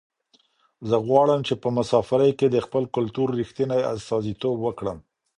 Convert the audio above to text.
زه غواړم چې په مسافرۍ کې د خپل کلتور رښتنې استازیتوب وکړم.